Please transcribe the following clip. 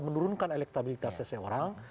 menurunkan elektabilitas seseorang